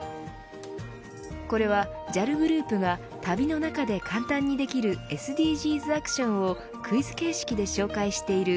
これは、ＪＡＬグループが旅の中で簡単にできるＳＤＧｓアクションをクイズ形式で紹介している＃